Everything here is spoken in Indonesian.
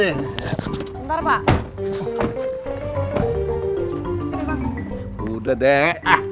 ya udah deh